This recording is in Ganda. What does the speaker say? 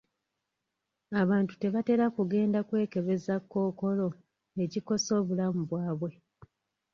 Abantu tebatera kugenda kwekebeza Kkookolo ekikosa obulamu bwabwe.